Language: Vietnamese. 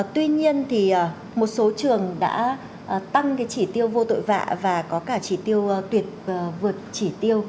tuy nhiên một số trường đã tăng cái chỉ tiêu vô tội vạ và có cả chỉ tiêu tuyệt vượt chỉ tiêu